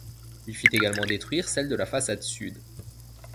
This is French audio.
Il fit également détruire celle de la façade sud.